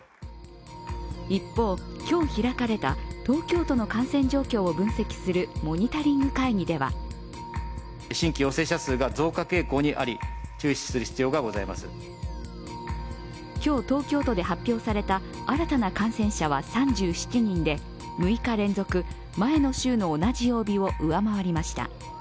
一方、今日開かれた東京都の感染状況を分析するモニタリング会議では今日、東京都で発表された新たな感染者は３７人で、６日連続、前の週の同じ曜日を上回りました。